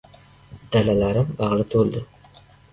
Dalalarim bag‘ri to‘ldi.